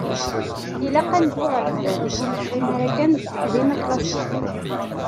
Ilaq, ad neddu ɣer sdat, ur nettɣimi ara kan deg uqdim aklasiki.